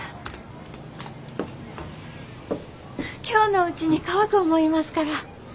今日のうちに乾く思いますから。